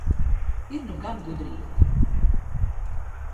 Ir nu gan gudr?te...